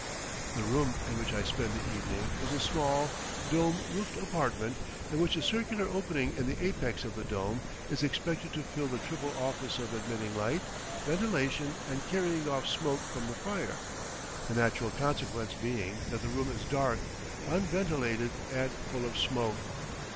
The room in which I spend the evening is a small, dome roofed apartment, in which a circular opening in the apex of the dome is expected to fill the triple office of admitting light, ventilation, and carrying off smoke from the fire; the natural consequence being that the room is dark, unventilated, and full of smoke.